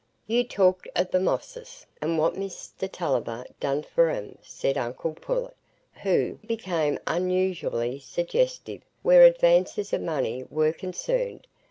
"You talked o' the Mosses, and what Mr Tulliver's done for 'em," said uncle Pullet, who became unusually suggestive where advances of money were concerned.